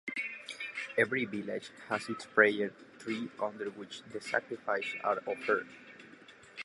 Every village has its prayer tree under which the sacrifices are offered.